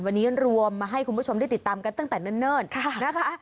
วันนี้รวมมาให้คุณผู้ชมได้ติดตามกันตั้งแต่เนิ่นนะคะ